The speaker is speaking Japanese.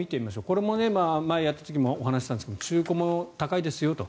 これも前やった時もお話しましたが中古も高いですよと。